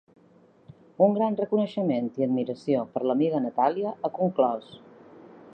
Un gran reconeixement i admiració per l’amiga Natàlia, ha conclòs.